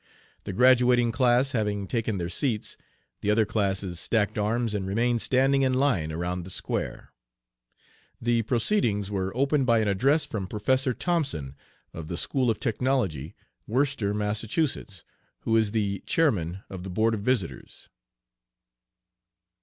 The graduating class having taken their seats, the other classes stacked arms and remained standing in line around the square. The proceedings were opened by an address from Professor Thompson, of the School of Technology, Worcester Mass., who is the Chairman of the Board of Visitors."